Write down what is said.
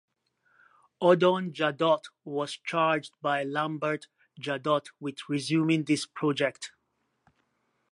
Odon Jadot was charged by Lambert Jadot with resuming this project.